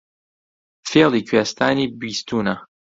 فێڵی کوێستانی بیستوونە